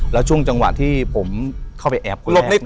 แล้วช่วงจังหวะที่ผมเข้าไปแอบ